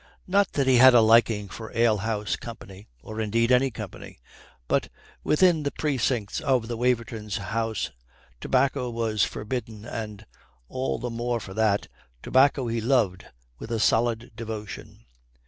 Not that he had a liking for ale house company or indeed any company. But within the precincts of the Wavertons' house tobacco was forbidden and all the more for that tobacco he loved with a solid devotion.